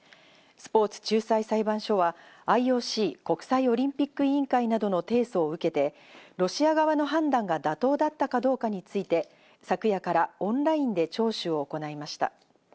スポーツ仲裁裁判所はＩＯＣ＝国際オリンピック委員会などの提訴を受けて、ロシア側の判断が妥当だったかどうかについて、昨夜からオンラインで聴取を行いました。